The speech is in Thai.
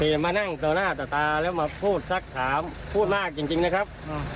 เตรียมมานั่งตัวหน้าตะตาแล้วมาพูดสักขามพูดมากจริงนะครับ